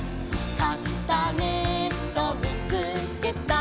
「カスタネットみつけたよ」